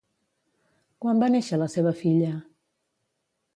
Quan va néixer la seva filla?